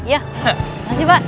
ya makasih pak